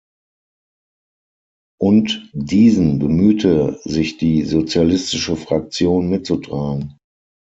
Und diesen bemühte sich die Sozialistische Fraktion mitzutragen.